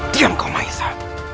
diam kau maisa